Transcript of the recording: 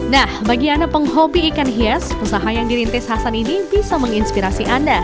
nah bagi anda penghobi ikan hias usaha yang dirintis hasan ini bisa menginspirasi anda